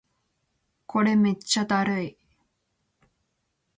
これめっちゃだるい